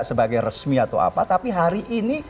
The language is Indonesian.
sebagai resmi atau apa tapi hari ini